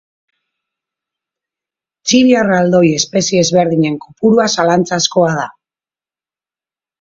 Txibia erraldoi espezie ezberdinen kopurua zalantzazkoa da.